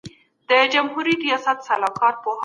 سفیران د فردي حقونو په اړه څه وایي؟